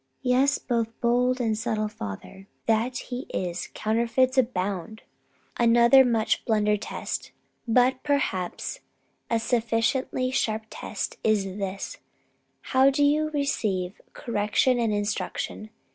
Yes; both bold and subtle father that he is: counterfeits abound! Another much blunter test, but, perhaps, a sufficiently sharp test, is this: How do you receive correction and instruction?